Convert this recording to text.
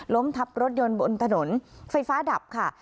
ทับรถยนต์บนถนนไฟฟ้าดับค่ะ